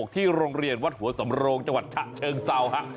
ที่โรงเรียนวัดหัวสำโรงจังหวัดฉะเชิงเซาฮะ